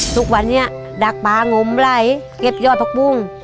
ทุกวันนี้ดักปลางมไหลเก็บยอดผักปุ้ง